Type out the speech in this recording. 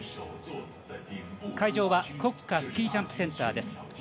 会場は国家スキージャンプセンターです。